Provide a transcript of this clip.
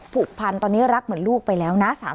ผูกพันตอนนี้รักเหมือนลูกไปแล้วนะ